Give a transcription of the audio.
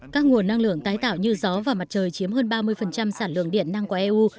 các nguồn năng lượng tái tạo như gió và mặt trời chiếm hơn ba mươi sản lượng điện năng của eu